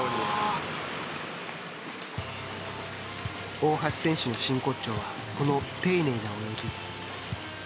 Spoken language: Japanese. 大橋選手の真骨頂はこの丁寧な泳ぎ。